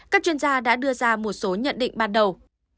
các chuyên gia đã đưa ra một số nhận định ban đầu